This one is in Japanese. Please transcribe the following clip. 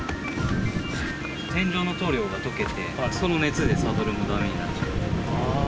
天井の塗料が溶けて、その熱でサドルがだめになっちゃって。